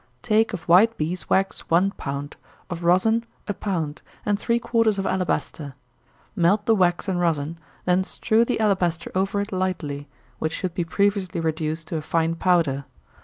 _ Take of white bees' wax one pound, of rosin a pound, and three quarters of alabaster. Melt the wax and rosin, then strew the alabaster over it lightly, (which should be previously reduced to a fine powder.)